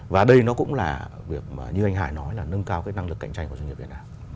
và đây nó cũng là việc mà như anh hải nói là nâng cao cái năng lực cạnh tranh của doanh nghiệp việt nam